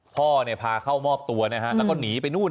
พ่อพาเข้ามอบตัวแล้วก็หนีไปนู่น